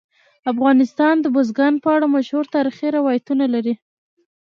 افغانستان د بزګان په اړه مشهور تاریخی روایتونه لري.